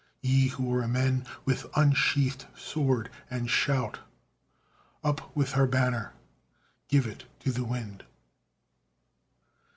Ye who are men! with unsheathed sword, and shout, Up with her banner! give it to the wind!